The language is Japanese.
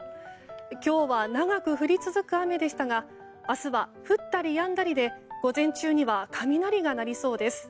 今日は長く降り続く雨でしたが明日は降ったりやんだりで午前中には雷が鳴りそうです。